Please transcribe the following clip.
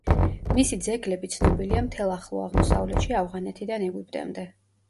მისი ძეგლები ცნობილია მთელ ახლო აღმოსავლეთში ავღანეთიდან ეგვიპტემდე.